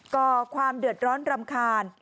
ก่อความเดือดร้อนรำคาญ